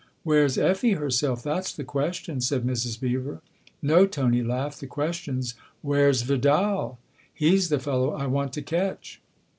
" "Where's Effie herself that's the question," said Mrs. Beever. " No," Tony laughed, " the question's Where's 244 THE OTHER HOUSE Vidal ? He's the fellow I want to catch.